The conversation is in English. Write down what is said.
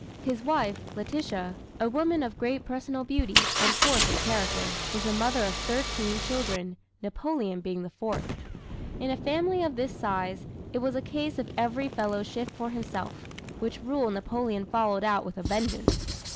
His wife, Letitia, a woman of great personal beauty and force of character, was the mother of thirteen children, Napoleon being the fourth. In a family of this size, it was a case of every fellow shift for himself, which rule Napoleon followed out with a vengeance.